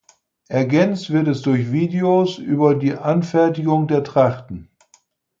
Ergänzt wird es durch Videos über die Anfertigung der Trachten.